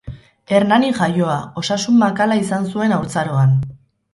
Hernanin jaioa, osasun makala izan zuen haurtzaroan.